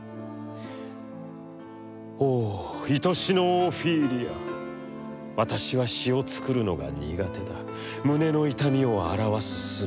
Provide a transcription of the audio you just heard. おお、愛しのオフィーリア、私は詩を作るのが苦手だ、胸の痛みを表す術を持っていない。